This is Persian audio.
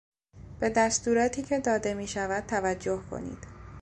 به دستوراتی که داده میشود توجه کنید.